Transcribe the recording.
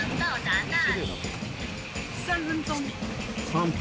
３分？